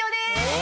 え！